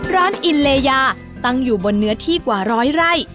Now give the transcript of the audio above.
อินเลยาตั้งอยู่บนเนื้อที่กว่าร้อยไร่